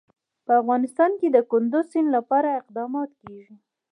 په افغانستان کې د کندز سیند لپاره اقدامات کېږي.